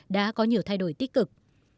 đã có nhiều thay đổi tích cực